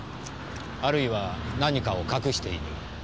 あるいは何かを隠している。